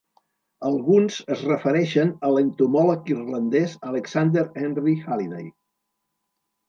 Alguns es refereixen a l'entomòleg irlandès Alexander Henry Haliday.